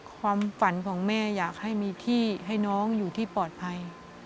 ความฝันของแม่อยากให้มีที่ให้น้องอยู่ที่ปลอดภัย